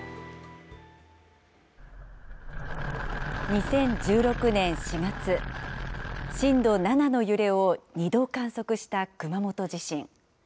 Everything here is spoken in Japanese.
２０１６年４月、震度７の揺れを２度観測した熊本地震。